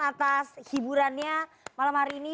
atas hiburannya malam hari ini